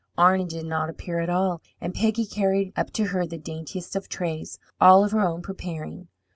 Arna did not appear at all, and Peggy carried up to her the daintiest of trays, all of her own preparing.